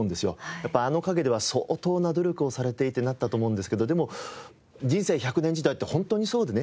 やっぱりあの影では相当な努力をされていてなったと思うんですけどでも人生１００年時代ってホントにそうでね